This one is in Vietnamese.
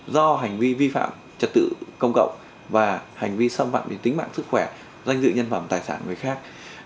do hành vi vi phạm trật tự công cộng và hành vi xâm phạm đến tính mạng sức khỏe danh dự nhân phẩm tài sản người khác